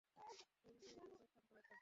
এই মাত্রই এসেছে সম্ভবত।